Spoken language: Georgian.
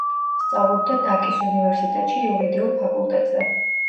სწავლობდა დაკის უნივერსიტეტში იურიდიულ ფაკულტეტზე.